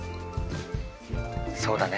「そうだね。